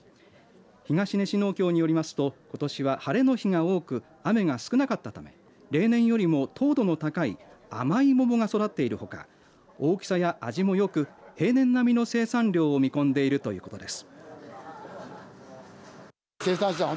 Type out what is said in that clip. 東根市農協によりますとことしは晴れの日が多く雨が少なかったため例年よりも糖度の高い甘い桃が育っているほか大きさや味も良く平年並みの生産量を見込んでいるということです。